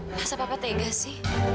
masa papa tegas sih